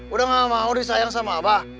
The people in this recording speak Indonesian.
udah gak mau disayang sama abah